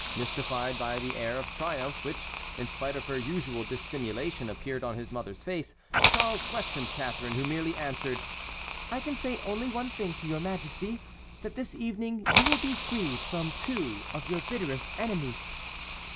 Mystified by the air of triumph which, in spite of her usual dissimulation, appeared on his mother's face, Charles questioned Catharine, who merely answered: "I can say only one thing to your Majesty: that this evening you will be freed from two of your bitterest enemies."